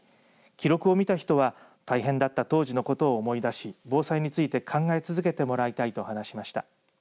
記録を見た人は大変だった当時のことを思い出し防災について考え続けてもらいたいと話しました。